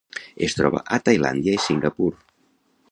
Es troba a Tailàndia i Singapur.